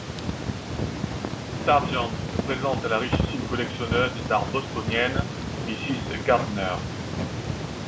Sargent le présente à la richissime collectionneuse d'art bostonienne, Mrs Gardner.